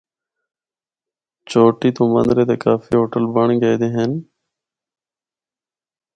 چوٹی تو مَندرے تے کافی ہوٹل بنڑ گئے دے ہن۔